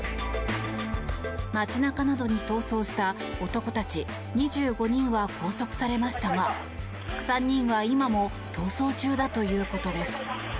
街中などに逃走した男たち２５人は拘束されましたが３人は今も逃走中だということです。